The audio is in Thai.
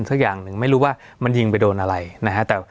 สักอย่างหนึ่งไม่รู้ว่ามันยิงไปโดนอะไรนะฮะ